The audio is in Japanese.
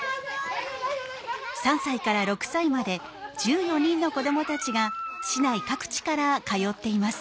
３歳から６歳まで１４人の子どもたちが市内各地から通っています。